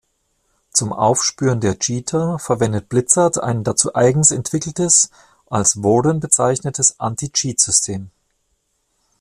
Zum Aufspüren der Cheater verwendet Blizzard ein dazu eigens entwickeltes, als Warden bezeichnetes Anti-Cheat-System.